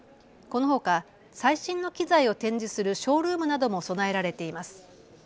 このほか最新の機材を展示するショールームなども備えられています。